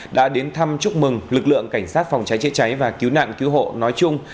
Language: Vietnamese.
đã đến thăm chúc mừng lực lượng cảnh sát phòng cháy chữa cháy và cứu nạn cứu hộ nói chung